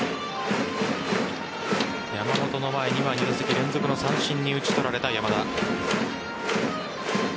山本の前には２打席連続の三振に打ち取られた山田。